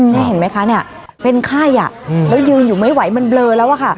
นี่เห็นไหมคะเป็นไข้แล้วยืนอยู่ไม่ไหวมันเบลอแล้ว